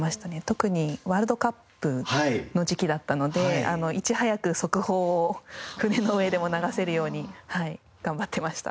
特にワールドカップの時期だったのでいち早く速報を船の上でも流せるように頑張ってました。